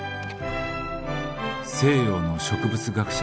「西洋の植物学者